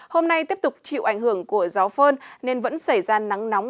hôm nay tiếp tục chịu ảnh hưởng của gió phơn nên vẫn xảy ra nắng nóng